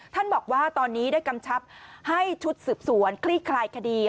บอกว่าตอนนี้ได้กำชับให้ชุดสืบสวนคลี่คลายคดี